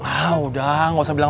ah udah gak usah bilang